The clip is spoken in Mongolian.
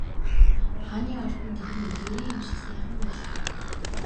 Хааны ордон тэдэнд үлгэрийн юм шиг сайхан байлаа.